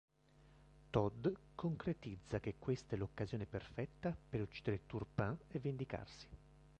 Todd concretizza che questa è l'occasione perfetta per uccidere Turpin e vendicarsi.